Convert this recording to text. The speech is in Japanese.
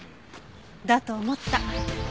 だと思った。